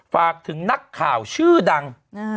ฝากถึงนักข่าวชื่อดัง